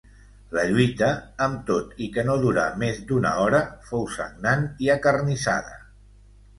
La lluita, amb tot i que no durà més d'una hora, fou sagnant i acarnissada.